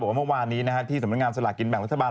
ว่าเมื่อวานนี้ที่สำนักงานสลากกินแบ่งรัฐบาล